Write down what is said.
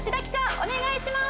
お願いします！